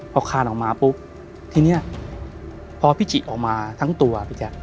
พอคานออกมาปุ๊บทีนี้พอพี่ฉีออกมาทั้งตัว